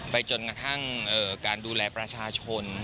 จนกระทั่งการดูแลประชาชน